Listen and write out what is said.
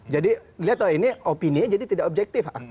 jadi lihat lah ini opini jadi tidak objektif